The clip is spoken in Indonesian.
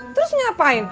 terus lu ngapain